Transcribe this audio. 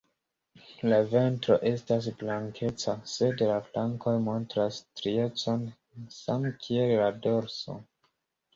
La ventro estas blankeca, sed la flankoj montras striecon same kiel la dorso.